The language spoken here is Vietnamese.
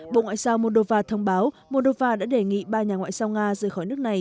bộ ngoại giao moldova thông báo moldova đã đề nghị ba nhà ngoại giao nga rời khỏi nước này